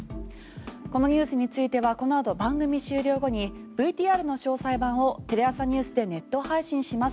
このニュースについてはこのあと番組終了後にＶＴＲの詳細版をテレ朝ニュースでネット配信します。